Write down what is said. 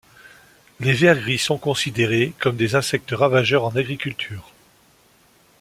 Les vers gris sont considérées comme des insectes ravageurs en agriculture.